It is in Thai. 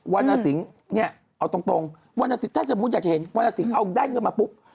วันนาสิงฯเอาตรงถ้าสมมุติอยากจะเห็นวันนาสิงฯเอาได้เงินมาปุ๊บ